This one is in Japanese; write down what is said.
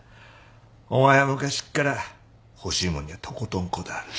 お前は昔っから欲しいもんにはとことんこだわる。